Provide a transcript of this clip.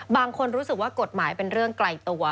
บางคนรู้สึกว่ากฎหมายเป็นเรื่องไกลตัว